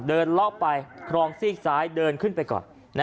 เดินเลาะไปคลองซีกซ้ายเดินขึ้นไปก่อน